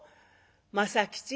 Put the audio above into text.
「政吉。